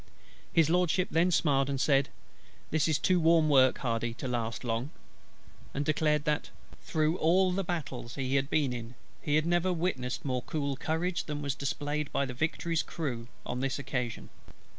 His LORDSHIP then smiled, and said: "This is too warm work, HARDY, to last long;" and declared that "through all the battles he had been in, he had never witnessed more cool courage than was displayed by the Victory's crew on this occasion."